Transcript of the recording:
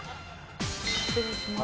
失礼します。